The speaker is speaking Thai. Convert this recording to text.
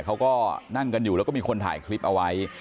เขาก็นั่งกันอยู่แล้วก็มีคนถ่ายคลิปเอาไว้